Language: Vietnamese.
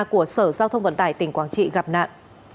của sở giao thông vận tải tỉnh quảng trị gặp nạn